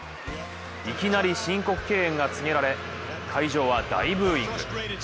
いきなり申告敬遠が告げられ会場は大ブーイング。